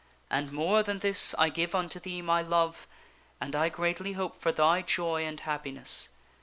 And more than this I give unto thee my love, and I greatly hope for thy joy and happiness.